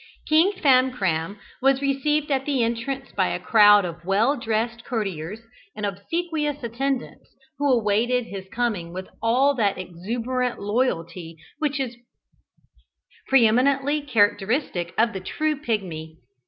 King Famcram was received at the entrance by a crowd of well dressed courtiers and obsequious attendants, who awaited his coming with all that exuberant loyalty which is pre eminently characteristic of the true Pigmy.